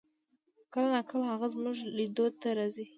کله نا کله هغه زمونږ لیدو ته راځي